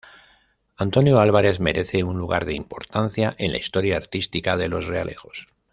Antonio Álvarez, merece un lugar de importancia en la historia artística de Los Realejos.